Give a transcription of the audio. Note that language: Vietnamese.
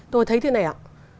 tôi thấy thế này ạ